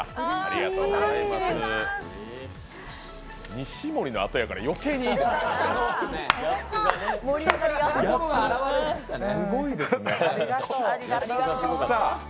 西森のあとやから、余計にすごいですね。